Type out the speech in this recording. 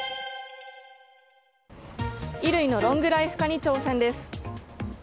衣類のロングライフ化に挑戦です。